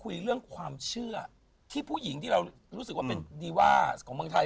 อะไรเหมือนกับคนอื่นเขาเนาะ